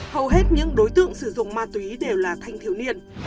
hầu hết những đối tượng sử dụng ma túy đều là thanh thiếu niên